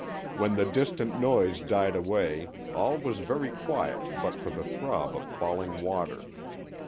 When the distant noise died away all was very quiet but for the throb of falling water.